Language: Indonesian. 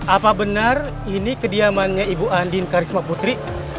apa benar ini kediamannya ibu andin karisma putri